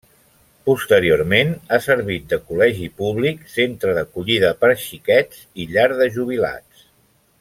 Posteriorment, ha servit de col·legi públic, centre d'acollida per xiquets i llar de jubilats.